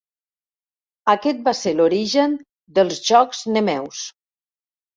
Aquest va ser l'origen dels Jocs Nemeus.